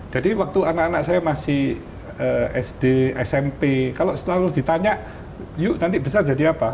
jadi waktu anak anak saya masih sd smp kalau selalu ditanya yuk nanti besar jadi apa